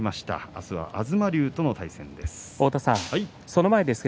明日は東龍との対戦です。